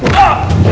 gue gak kenal